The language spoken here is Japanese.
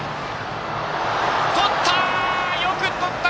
とった！